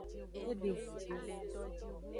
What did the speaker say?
E de vudo.